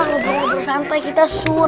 berbaring bersantai kita sun